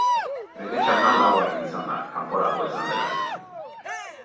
Bere txandan laugarren izan da, kanporatua izan delarik.